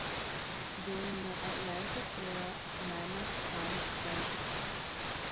During the Atlantic era, Mammoth signed Frente!